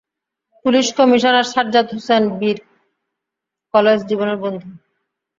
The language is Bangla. পুলিশ কমিশনার সাজ্জাদ হোসেন তাঁর কলেজ জীবনের বন্ধু।